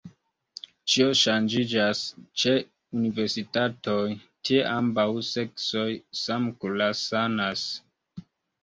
Ĉio ŝanĝiĝas ĉe universitatoj: tie ambaŭ seksoj samkursanas.